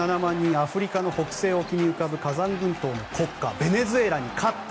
アフリカの北西沖に浮かぶ火山群島の国家ベネズエラに勝った。